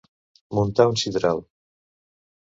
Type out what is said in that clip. Muntar un sidral.